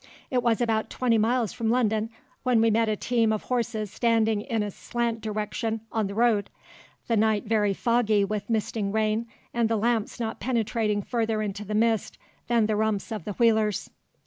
It was about twenty miles from London when we met a team of horses standing in a slant direction on the road, the night very foggy with misting rain, and the lamps not penetrating further into the mist than the rumps of the wheelers.